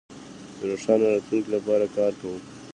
د روښانه راتلونکي لپاره کار کوو.